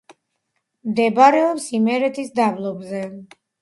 მდებარეობს იმერეთის დაბლობზე.